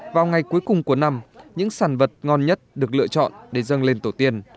vào ngày cuối cùng của năm những sản vật ngon nhất được lựa chọn để dâng lên tổ tiên